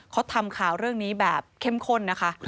เขาทำข่าวเรื่องนี้แบบเข้มข้นนะคะ